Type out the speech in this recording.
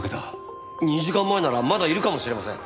２時間前ならまだいるかもしれません。